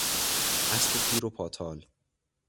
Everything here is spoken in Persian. اسب پیر و پاتال